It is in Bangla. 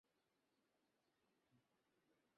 নিম্ন আয়ের মানুষরা এ-দেশে পশুর জীবনযাপন করে।